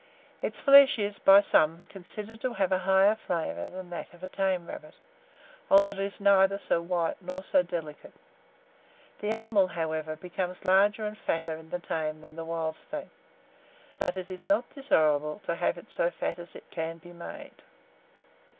Its flesh is, by some, considered to have a higher flavour than that of the tame rabbit, although it is neither so white nor so delicate. The animal, however, becomes larger and fatter in the tame than in the wild state; but it is not desirable to have it so fat as it can be made.